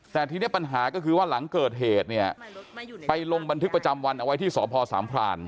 แต่ทีนี้ปัญหาก็คือว่าหลังเกิดเหตุเนี่ยไปลงบันทึกประจำวันเอาไว้ที่สพสามพราน